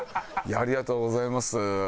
ありがとうございます。